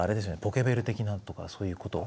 ポケベル的なとかそういうこと？